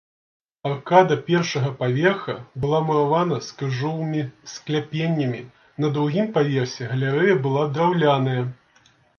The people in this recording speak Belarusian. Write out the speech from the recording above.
Аркада першага паверха была муравана з крыжовымі скляпеннямі, на другім паверсе галерэя была драўляная.